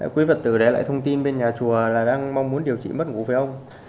quý phật tử để lại thông tin bên nhà chùa là đang mong muốn điều trị mất ngủ phải không